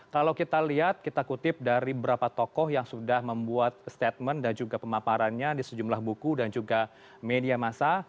kalau kita lihat kita kutip dari beberapa tokoh yang sudah membuat statement dan juga pemaparannya di sejumlah buku dan juga media masa